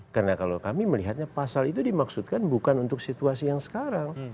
karena kalau kami melihatnya pasal itu dimaksudkan bukan untuk situasi yang sekarang